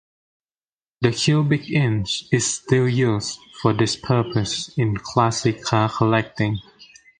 The cubic inch is still used for this purpose in classic car collecting.